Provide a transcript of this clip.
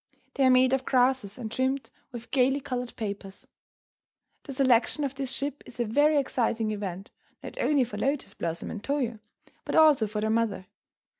They are made of grasses and trimmed with gaily coloured papers. The selection of this ship is a very exciting event, not only for Lotus Blossom and Toyo, but also for their mother.